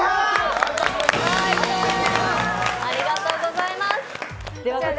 ありがとうございます。